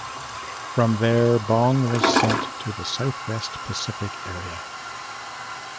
From there, Bong was sent to the Southwest Pacific Area.